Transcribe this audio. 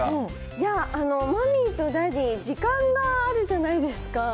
いや、マミーとダディー、時間があるじゃないですか。